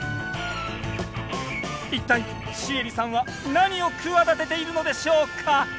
一体シエリさんは何を企てているのでしょうか？